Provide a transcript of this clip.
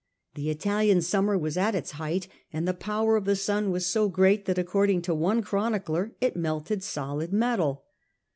The Italian summer was at its height and the power of the sun was so great that, according to one chronicler, it melted solid metal.